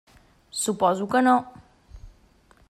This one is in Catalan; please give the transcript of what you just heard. Suposo que no.